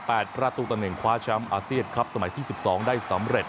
ประตูต่อหนึ่งคว้าแชมป์อาเซียนครับสมัยที่สิบสองได้สำเร็จ